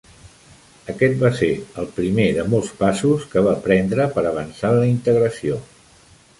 Aquest va ser el primer de molts passos que va prendre per avançar en la integració.